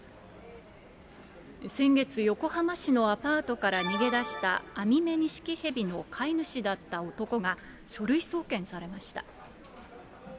先月、横浜市のアパートから逃げ出したアミメニシキヘビの飼い主だった男が書類送検されました。